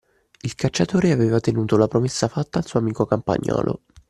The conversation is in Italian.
Il cacciatore aveva tenuto la promessa fatta al suo amico campagnolo